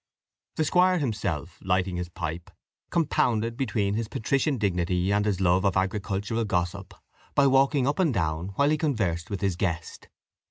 The squire himself, lighting his pipe, compounded between his patrician dignity and his love of agricultural gossip, by walking up and down while he conversed with his guest.